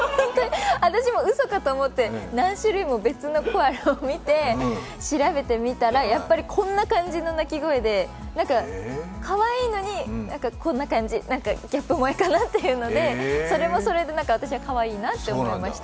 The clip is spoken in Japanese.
私もうそかと思って何種類も別のコアラを見て調べてみたらやっぱりこんな感じの鳴き声でかわいいのにこんな感じ、ギャップ萌えかなみたいな、それもそれで、私はかわいいなって思いました。